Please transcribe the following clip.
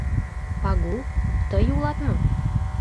— Пагул, тый улат мо?